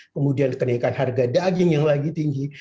kemudian kenaikan harga daging yang lagi tinggi